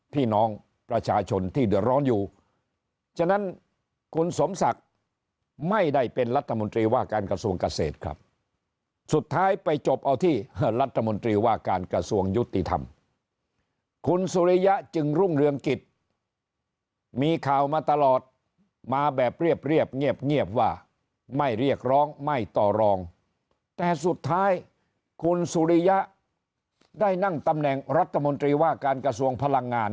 พี่น้องประชาชนที่เดือดร้อนอยู่ฉะนั้นคุณสมศักดิ์ไม่ได้เป็นรัฐมนตรีว่าการกระทรวงเกษตรครับสุดท้ายไปจบเอาที่รัฐมนตรีว่าการกระทรวงยุติธรรมคุณสุริยะจึงรุ่งเรืองกิจมีข่าวมาตลอดมาแบบเรียบเงียบว่าไม่เรียกร้องไม่ต่อรองแต่สุดท้ายคุณสุริยะได้นั่งตำแหน่งรัฐมนตรีว่าการกระทรวงพลังงาน